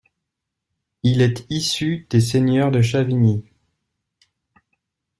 Il est issu des seigneurs de Chavigny.